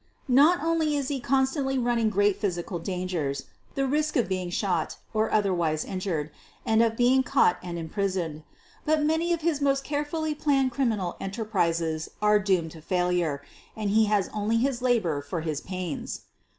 Not only is he constantly running great physical dangers — the risk of being shot or otherwise injured and of being caught and imprisoned — but many of his most carefully planned criminal enterprises are doomed to failure and he has only his labor for his pains.